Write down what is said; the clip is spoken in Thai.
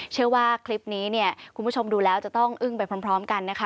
เชื่อว่าคลิปนี้เนี่ยคุณผู้ชมดูแล้วจะต้องอึ้งไปพร้อมกันนะคะ